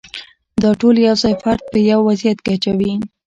دا ټول یو ځای فرد په یو وضعیت کې اچوي.